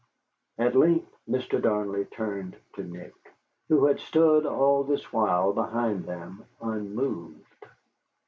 At length Mr. Darnley turned to Nick, who had stood all this while behind them, unmoved.